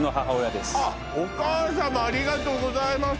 お母様ありがとうございます